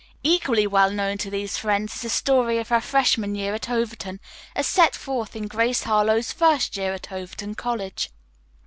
Equally well known to these friends is the story of her freshman year at Overton, as set forth in "Grace Harlowe's First Year at Overton College."